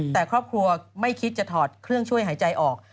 แต่ครอบครัวไม่คิดจะถอดเครื่องช่วยหายใจออก